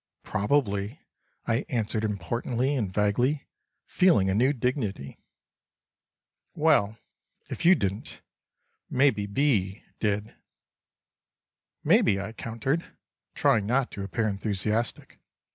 "Probably," I answered importantly and vaguely, feeling a new dignity. "Well, if you didn't, maybe B—— did." "Maybe," I countered, trying not to appear enthusiastic.